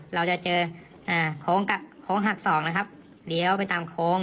เราจะเจอโค้งหักสองนะครับเลี้ยวไปตามโค้ง